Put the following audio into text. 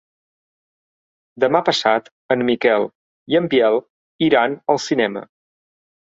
Demà passat en Miquel i en Biel iran al cinema.